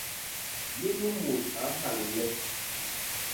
Nunu mut a nhan le!